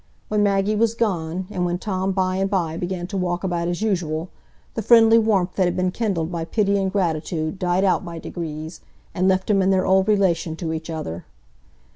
When Maggie was gone, and when Tom by and by began to walk about as usual, the friendly warmth that had been kindled by pity and gratitude died out by degrees, and left them in their old relation to each other.